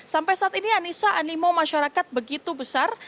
sampai saat ini anissa animo masyarakat begitu besar